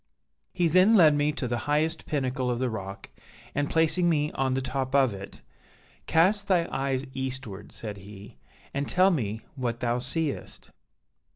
"He then led me to the highest pinnacle of the rock, and placing me on the top of it, 'Cast thy eyes eastward,' said he, 'and tell me what thou seest.'